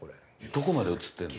どこまで写ってんの？